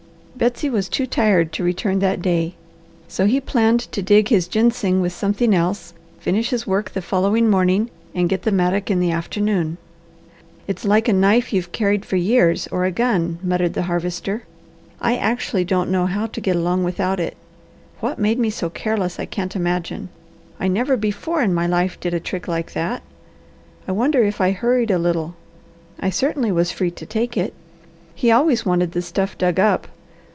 Betsy was too tired to return that day, so he planned to dig his ginseng with something else, finish his work the following morning, and get the mattock in the afternoon. "It's like a knife you've carried for years, or a gun," muttered the Harvester. "I actually don't know how to get along without it. What made me so careless I can't imagine. I never before in my life did a trick like that. I wonder if I hurried a little. I certainly was free to take it. He always wanted the stuff dug up.